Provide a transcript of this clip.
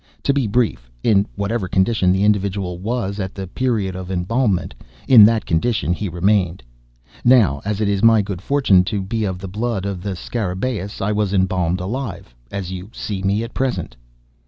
To be brief, in whatever condition the individual was, at the period of embalmment, in that condition he remained. Now, as it is my good fortune to be of the blood of the Scarabaeus, I was embalmed alive, as you see me at present."